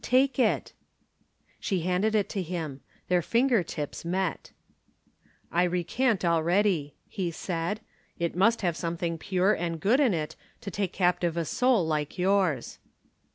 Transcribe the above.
Take it." She handed it to him. Their finger tips met. "I recant already," he said. "It must have something pure and good in it to take captive a soul like yours."